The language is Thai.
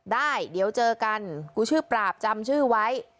ได้เดี๋ยวเจอกันกูชื่อปราบจำชื่อไว้